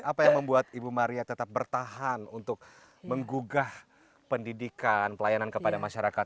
apa yang membuat ibu maria tetap bertahan untuk menggugah pendidikan pelayanan kepada masyarakat